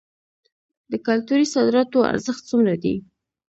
د کلتوري صادراتو ارزښت څومره دی؟